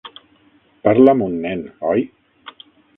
Parlo amb un nen, oi?